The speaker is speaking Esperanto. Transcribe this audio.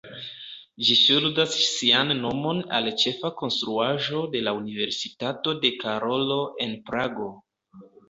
Ĝi ŝuldas sian nomon al ĉefa konstruaĵo de la Universitato de Karolo en Prago.